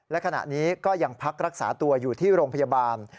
และขณะนี้ก็ยังพักรักษาตัวอยู่ที่โรงพยาบาล